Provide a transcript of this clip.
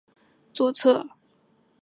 回程要坐在左侧